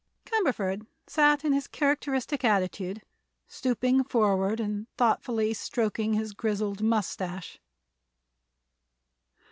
Cumberford sat in his characteristic attitude, stooping forward and thoughtfully stroking his grizzled mustache.